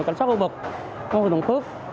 cảnh sát hội bật công viên thông thức